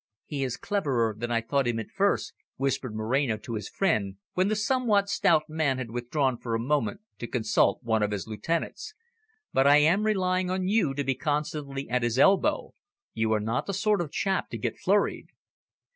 "He is cleverer than I thought him at first," whispered Moreno to his friend, when the somewhat stout man had withdrawn for a moment to consult one of his lieutenants. "But I am relying on you to be constantly at his elbow. You are not the sort of chap to get flurried."